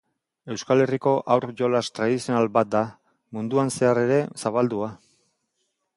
Euskal Herriko haur-jolas tradizional bat da, munduan zehar ere zabaldua.